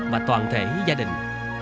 và toàn thể gia đình